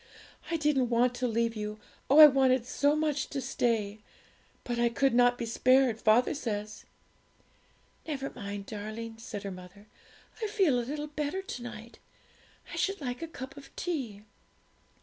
I didn't want to leave you oh, I wanted so much to stay! but I could not be spared, father says.' 'Never mind, darling,' said her mother. 'I feel a little better to night. I should like a cup of tea.'